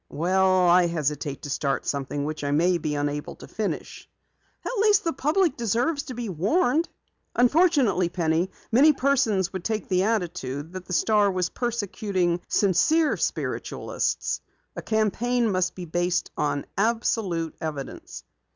"Well, I hesitate to start something which I may be unable to finish." "At least the public deserves to be warned." "Unfortunately, Penny, many persons would take the attitude that the Star was persecuting sincere spiritualists. A campaign must be based on absolute evidence."